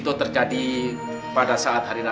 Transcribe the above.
gue jadi mangsa dia